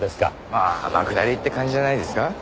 まあ天下りって感じじゃないですか？